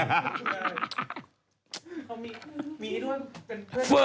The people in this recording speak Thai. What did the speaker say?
เขามีมีด้วยเป็นเพื่อนกับ